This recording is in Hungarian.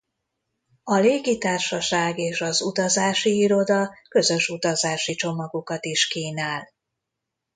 A légitársaság és az utazási iroda közös utazási csomagokat is kínál.